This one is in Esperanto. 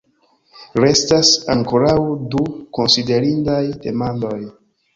Restas ankoraŭ du konsiderindaj demandoj.